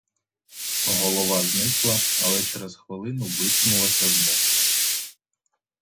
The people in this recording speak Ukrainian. Голова зникла, але через хвилину виткнулася знов.